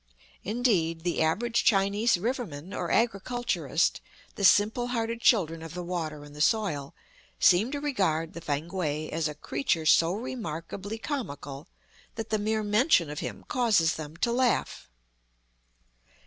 Indeed, the average Chinese river man or agriculturist, the simple hearted children of the water and the soil, seem to regard the Fankwae as a creature so remarkably comical, that the mere mention of him causes them to laugh.